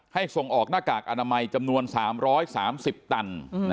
ส่งออกหน้ากากอนามัยจำนวน๓๓๐ตัน